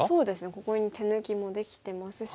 ここに手抜きもできてますし。